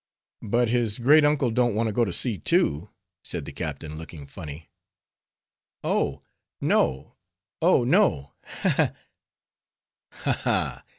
"But his great uncle don't want to go to sea too?" said the captain, looking funny. "Oh! no, oh, no!— Ha! ha!" "Ha! ha!"